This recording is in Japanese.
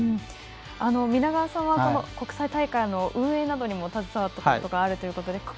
皆川さんは国際大会の運営などにも携わったことがあるということで。